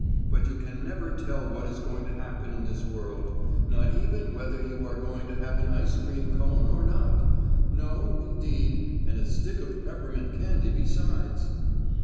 But you can never tell what is going to happen in this world, not even whether you are going to have an ice cream cone or not; no, indeed, and a stick of peppermint candy besides."